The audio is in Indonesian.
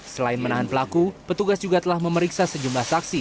selain menahan pelaku petugas juga telah memeriksa sejumlah saksi